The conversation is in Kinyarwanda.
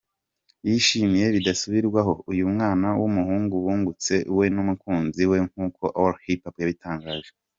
Yishimiye bidasubirwaho uyu mwana w’umuhungu bungutse we n’umukunzi we nkuko allhiphop yabitangaje.